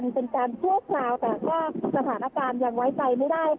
สถานการณ์ยังไว้ใจไม่ได้